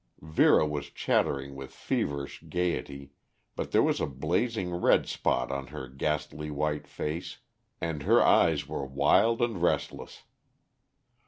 Vera was chattering with feverish gayety, but there was a blazing red spot on her ghastly white face, and her eyes were wild and restless.